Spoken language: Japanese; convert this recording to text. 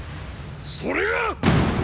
それがっ！